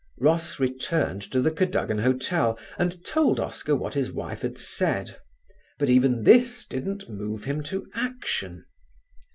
Ross returned to the Cadogan Hotel and told Oscar what his wife had said, but even this didn't move him to action.